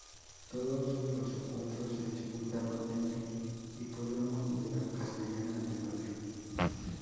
Todos los encuentros se disputaron en el Hipódromo de la Castellana de Madrid.